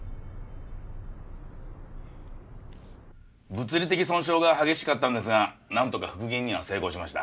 物理的損傷が激しかったんですがなんとか復元には成功しました。